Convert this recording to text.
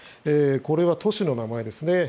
これは都市の名前ですね。